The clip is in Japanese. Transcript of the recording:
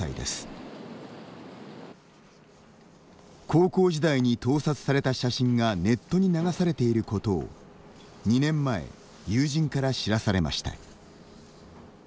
高校時代に盗撮された写真がネットに流されていることを２年前、友人から知らされました。